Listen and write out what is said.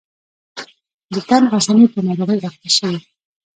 د تن آساني په ناروغۍ اخته شي.